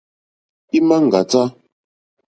Ímá ŋɡàtá.